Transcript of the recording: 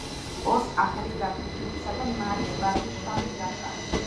ოს ახალი გრაფი ფილიპისა და მარის ვაჟი, შარლი გახდა.